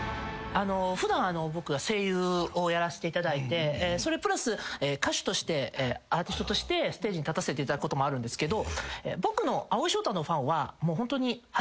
普段僕は声優をやらせていただいてそれプラス歌手としてアーティストとしてステージに立たせていただくこともあるんですけど僕の蒼井翔太のファンは。